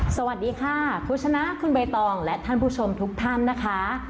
สวัสดีค่ะคุณชนะคุณใบตองและท่านผู้ชมทุกท่านนะคะ